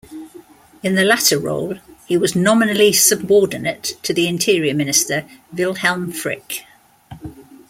In the latter role, he was nominally subordinate to the Interior Minister, Wilhelm Frick.